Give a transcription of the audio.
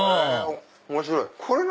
面白い。